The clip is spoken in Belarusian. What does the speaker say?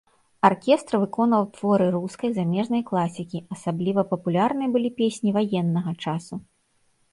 Аркестр выконваў творы рускай, замежнай класікі, асабліва папулярныя былі песні ваеннага часу.